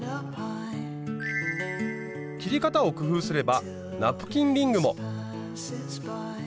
切り方を工夫すればナプキンリングも。